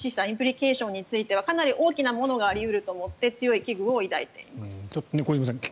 インプリケーションについてはかなり大きなものがあるとありうると思って強い危惧を抱いています。